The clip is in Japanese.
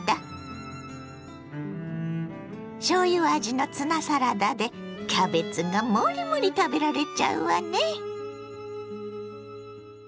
しょうゆ味のツナサラダでキャベツがモリモリ食べられちゃうわね。